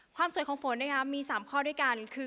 ความสวยของฝนนะคะมี๓ข้อด้วยกันคือ